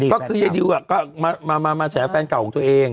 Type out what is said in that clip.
ก็คือยายดิวก็มาแฉแฟนเก่าของตัวเอง